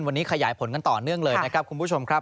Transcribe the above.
วันนี้ขยายผลกันต่อเนื่องเลยนะครับคุณผู้ชมครับ